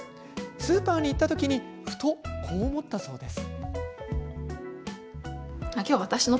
スーパーに行った時にふと、こう思ったそうです。